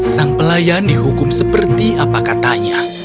sang pelayan dihukum seperti apa katanya